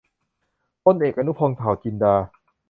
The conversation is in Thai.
พลเอก อนุพงษ์ เผ่าจินดา